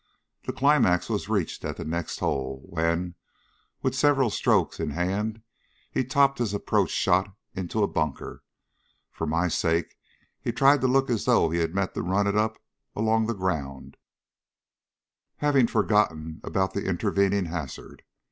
The climax was reached at the next hole, when, with several strokes in hand, he topped his approach shot into a bunker. For my sake he tried to look as though he had meant to run it up along the ground, having forgotten about the intervening hazard.